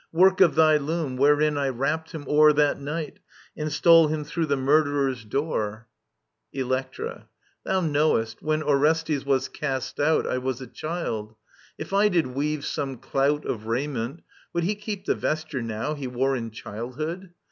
Work of thy loom, wherein I wrapt him o'er That night, and stole him through the murderers' door. Digitized by VjOOQIC ELECTRA 33 Electra. Thou knowest, when Orestes was cast out I was a child. •.. If I did weave some clout Of raiment, would he keep the vesture now He wore in childhood